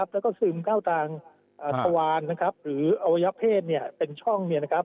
แล้วก็ซึมเข้าทางทวารหรืออวัยวะเพศเป็นช่อง